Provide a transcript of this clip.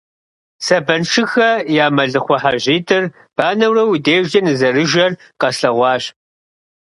Сэбаншыхэ я мэлыхъуэ хьэжьитӀыр банэурэ уи дежкӀэ нызэрыжэр къэслъэгъуащ.